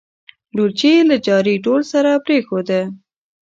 ډولچي یې له جاري ډول سره پرېښوده.